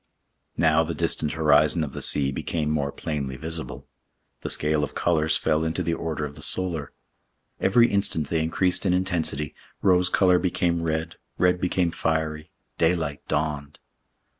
Now the distant horizon of the sea became more plainly visible. The scale of colors fell into the order of the solar. Every instant they increased in intensity, rose color became red, red became fiery, daylight dawned.